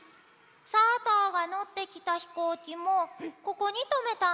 さぁたぁがのってきたひこうきもここにとめたんだよ。